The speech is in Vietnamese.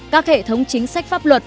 các hệ thống chính sách pháp luật